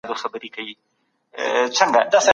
د کور فکر باید د کار وروسته وي.